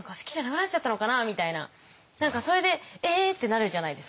何かそれで「ええ？」ってなるじゃないですか。